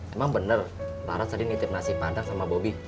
emang bener laras tadi nitip nasi padang sama bobi